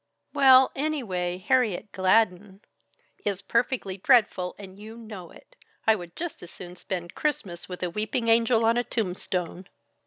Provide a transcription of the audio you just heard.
"Well, anyway, Harriet Gladden " "Is perfectly dreadful and you know it. I would just as soon spend Christmas with a weeping angel on a tombstone."